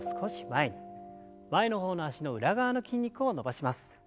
前の方の脚の裏側の筋肉を伸ばします。